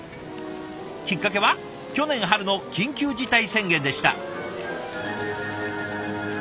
きっかけは去年春の緊急事態宣言でした。